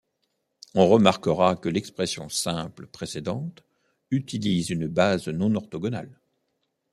On remarquera que l'expression simple précédente utilise une base non orthogonale.